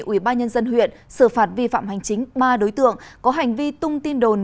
ủy ban nhân dân huyện xử phạt vi phạm hành chính ba đối tượng có hành vi tung tin đồn